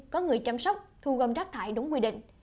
có người chăm sóc thu gom rác thải đúng quy định